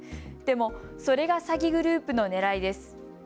でも、それが詐欺グループのねらいです。